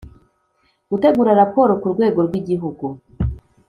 gutegura raporo ku rwego rw Igihugu